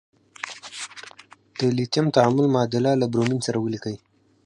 د لیتیم تعامل معادله له برومین سره ولیکئ.